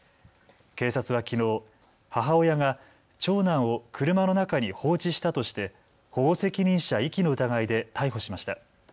警察はきのう母親が長男を車の中に放置したとして保護責任者遺棄の疑いで逮捕しました。